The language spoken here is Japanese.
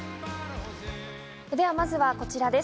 では、まずはこちらです。